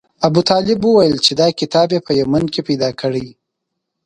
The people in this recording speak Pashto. ابوطالب ویل چې دا کتاب یې په یمن کې پیدا کړی.